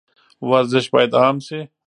ورزش باید عام شي